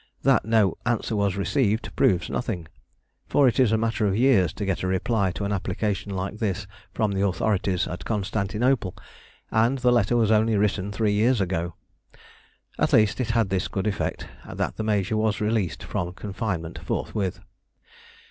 That no answer was received proves nothing; for it is a matter of years to get a reply to an application like this from the authorities at Constantinople, and the letter was only written three years ago. At least it had this good effect, that the major was released from confinement forthwith.